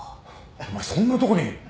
お前そんなとこに。